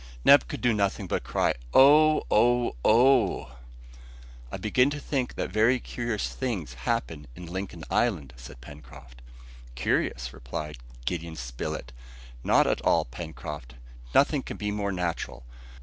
Neb could do nothing but cry out, "Oh! oh! oh!" "I begin to think that very curious things happen in Lincoln Island!" said Pencroft. "Curious?" replied Gideon Spilett, "not at all, Pencroft, nothing can be more natural.